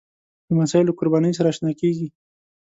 لمسی له قربانۍ سره اشنا کېږي.